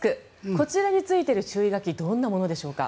こちらについている注意書きどんなものでしょうか。